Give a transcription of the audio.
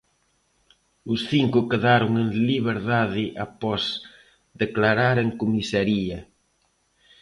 Os cinco quedaron en liberdade após declarar en comisaría.